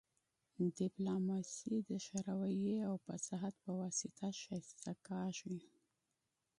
ډیپلوماسي د ښه رويې او فصاحت په واسطه ښایسته کیږي